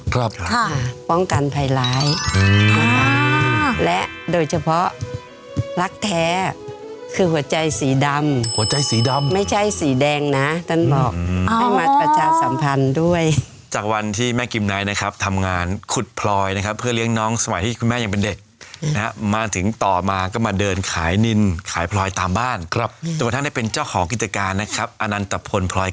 ค่ะป้องกันภัยร้ายอ่าและโดยเฉพาะรักแท้คือหัวใจสีดำหัวใจสีดำไม่ใช่สีแดงน่ะต้นบอกอ๋อให้มาประชาสัมพันธ์ด้วยจากวันที่แม่กิมไนท์นะครับทำงานขุดพลอยนะครับเพื่อเลี้ยงน้องสมัยที่คุณแม่ยังเป็นเด็กนะฮะมาถึงต่อมาก็มาเดินขายนินขายพลอยตามบ้านครับโดย